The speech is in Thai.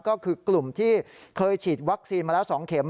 ก็คือกลุ่มที่เคยฉีดวัคซีนมาแล้ว๒เข็ม